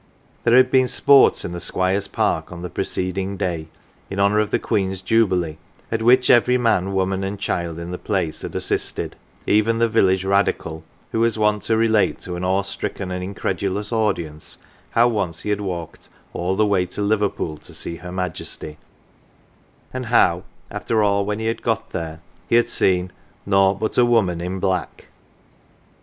There had been sports in the squire's park on the preceding day, in honour of the Queen's jubilee, at which every man, woman, and child in the place had assisted, even the village Radical, who was wont to relate to an awestricken and incredulous audience how once he had walked all the way to Liver pool to see her Majesty, and how after all when he had got there he'd seen "nought but a woman in black."